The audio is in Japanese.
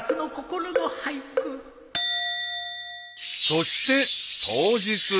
［そして当日］